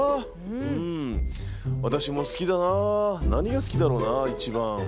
私も好きだな何が好きだろうな一番。